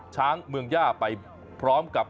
ช้างเมืองย่าไปพร้อมกับ